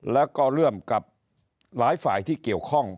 แล้วก็ร่วมกับหลายฝ่ายที่เกี่ยวข้อง